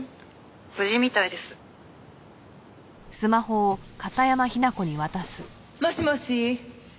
「無事みたいです」もしもし？